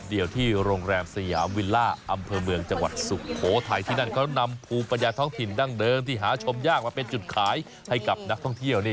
เดียวที่โรงแรมสยามวิลล่าอำเภอเมืองจังหวัดสุโขทัยที่นั่นเขานำภูมิปัญญาท้องถิ่นดั้งเดิมที่หาชมยากมาเป็นจุดขายให้กับนักท่องเที่ยว